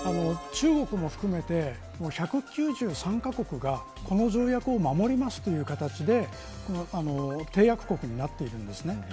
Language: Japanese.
中国も含めて、１９３カ国がこの条約を守りますという形で締約国になっています。